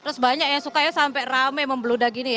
terus banyak ya suka ya sampai rame membeluda gini